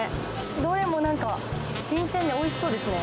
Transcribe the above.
どれもなんか新鮮でおいしそうですね。